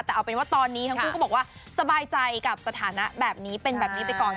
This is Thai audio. แต่เอาเป็นว่าตอนนี้ทั้งคู่ก็บอกว่าสบายใจกับสถานะแบบนี้เป็นแบบนี้ไปก่อน